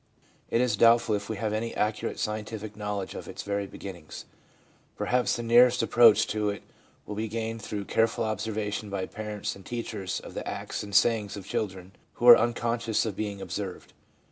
It is doubtful if we have any accurate scientific knowledge of its very beginnings ; perhaps the nearest approach to it will be gained through careful observation by parents and teachers of the acts and sayings of children who are unconscious of being observed.